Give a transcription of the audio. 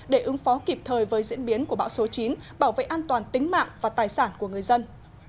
để ứng phó kịp thời với diễn biến của bão số chín bảo vệ an toàn tính mạng và tài sản của người dân